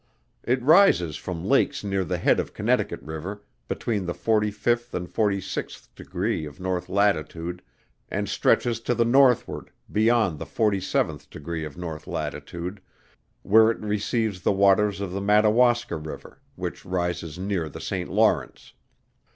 It rises from lakes near the head of Connecticut river, between the 45th and 46th degrees of north latitude, and stretches to the northward, beyond the 47th degree of north latitude, where it receives the waters of the Madawaska river, which rises near the St. Lawrence.